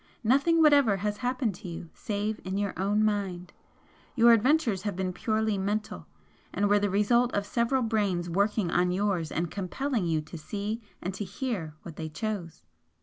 Nothing whatever has happened to you, save in your own mind your adventures have been purely mental and were the result of several brains working on yours and compelling you to see and to hear what they chose.